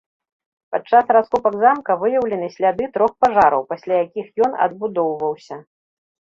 Падчас раскопак замка выяўлены сляды трох пажараў, пасля якіх ён адбудоўваўся.